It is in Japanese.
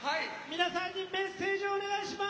皆さんにメッセージをお願いします。